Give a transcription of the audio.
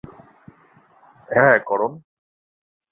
হ্যাঁঁ, করণ?